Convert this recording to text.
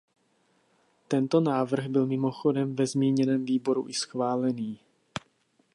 Tento návrh byl mimochodem ve zmíněném výboru i schválený.